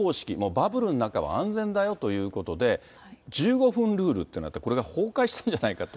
バブルの中は安全だよということで、１５分ルールというのがあって、これが崩壊してるんじゃないかと。